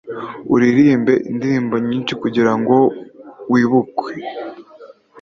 uririmbe indirimbo nyinshi kugira ngo wibukwe